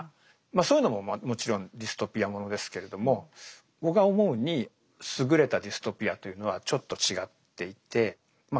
そういうのももちろんディストピアものですけれども僕が思うに優れたディストピアというのはちょっと違っていてまあ